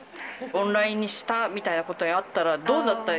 オンラインにしたみたいなことがあったら、どうだった？